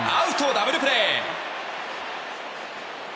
ダブルプレー！